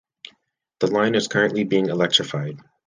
The line is currently being electrified.